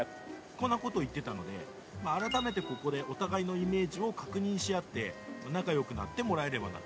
こんな事を言ってたので改めてここでお互いのイメージを確認し合って仲良くなってもらえればなと。